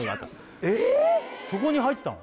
そこに入ってたの？